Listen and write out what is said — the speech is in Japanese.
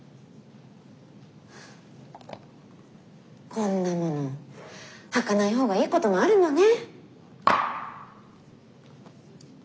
こんなもの履かないほうがいいこともあるのね。